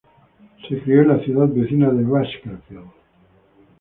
Se crio en la ciudad vecina de Bakersfield.